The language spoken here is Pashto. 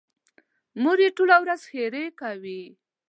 مور یې ټوله ورځ ښېرې کوي.